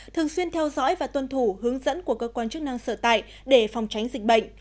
thường xuyên theo dõi và tuân thủ hướng dẫn của cơ quan chức năng sở tại để phòng tránh dịch bệnh